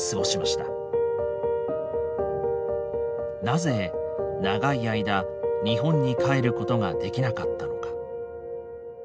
なぜ長い間日本に帰ることができなかったのか。